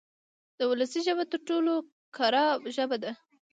د ولس ژبه تر ټولو کره ژبه ده.